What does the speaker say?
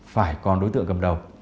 phải còn đối tượng cầm đầu